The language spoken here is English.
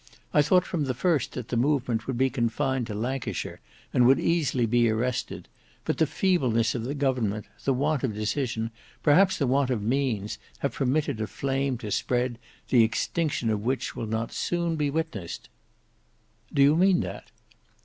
I thought from the first that the movement would be confined to Lancashire and would easily be arrested; but the feebleness of the government, the want of decision, perhaps the want of means, have permitted a flame to spread the extinction of which will not soon be witnessed." "Do you mean that?"